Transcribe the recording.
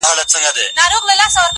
• زۀ خپله خان یمه خان څۀ ته وایي ..